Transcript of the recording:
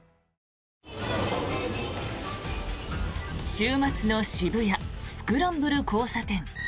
週末の渋谷・スクランブル交差点。